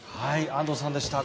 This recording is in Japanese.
安藤さんでした。